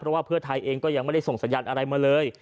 เพราะว่าเพื่อไทยเองก็ยังไม่ได้ส่งสัญญาณอะไรมาเลย